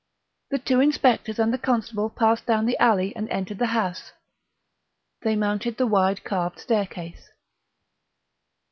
The two inspectors and the constable passed down the alley and entered the house. They mounted the wide carved staircase.